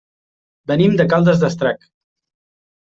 Venim de Caldes d'Estrac.